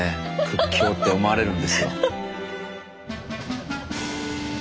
屈強って思われるんですよ。